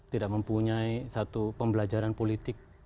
tidak mempunyai satu pembelajaran politik